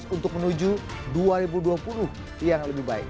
untuk menuju dua ribu dua puluh yang lebih baik